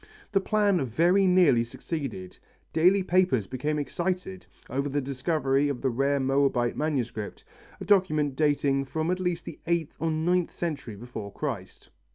The plan very nearly succeeded. Daily papers became excited over the discovery of the rare Moabite manuscript, a document dating from at least the eighth or ninth century before Christ.